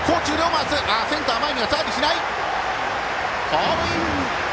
ホームイン！